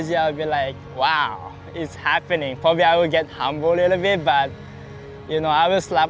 saya harap saya menginspirasi lebih banyak anak anak